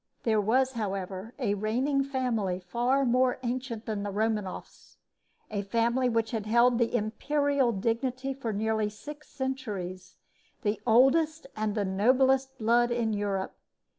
There was, however, a reigning family far more ancient than the Romanoffs a family which had held the imperial dignity for nearly six centuries the oldest and the noblest blood in Europe.